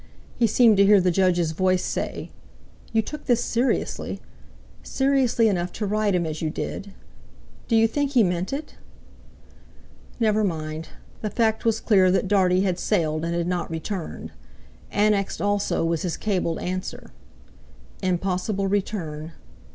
He seemed to hear the Judge's voice say: "You took this seriously! Seriously enough to write him as you did? Do you think he meant it?" Never mind! The fact was clear that Dartie had sailed and had not returned. Annexed also was his cabled answer: "Impossible return.